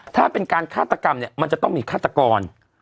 ถ้าเป็นการฆาตกรรมเนี่ยมันจะต้องมีฆาตกร